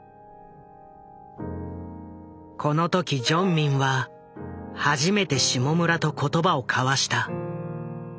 この時ジョンミンは初めて下村と言葉を交わした。